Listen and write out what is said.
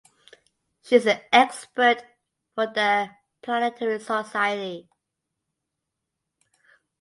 She is an expert for The Planetary Society.